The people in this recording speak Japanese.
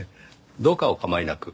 どうかお構いなく。